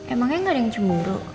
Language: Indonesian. emangnya gak ada yang cemburu